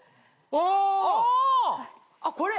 ああっこれ。